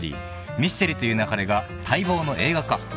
『ミステリと言う勿れ』が待望の映画化］